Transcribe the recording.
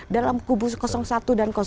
dalam kubu satu dan dua